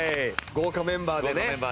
豪華メンバーでね